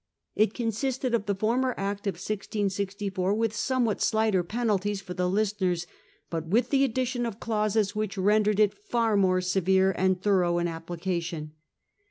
* It consisted of the former Act of 1664 with somewhat slighter penalties for the listeners, but with the addition of clauses which rendered it far more severe and thorough in application.